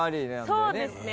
そうですね。